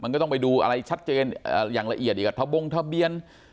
มันก็ต้องไปดูอะไรชัดเจนอย่างละเอียดอีกทะบงทะเบียน